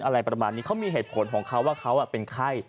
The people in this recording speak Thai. อะไรประมาณนี้เขามีเหตุผลของเขาว่าเขาเป็นไข้